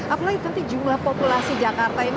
apalagi nanti jumlah populasi jakarta ini